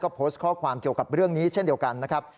โพสต์ข้อความเกี่ยวกับเรื่องนี้เช่นเดียวกันนะครับ